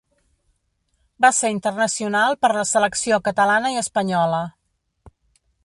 Va ser internacional per la selecció catalana i espanyola.